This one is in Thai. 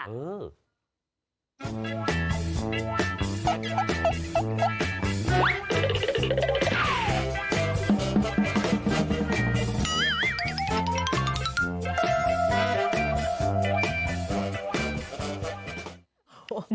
เออ